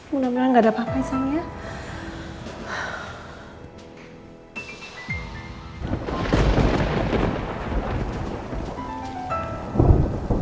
mudah mudahan gak ada apa apa isang ya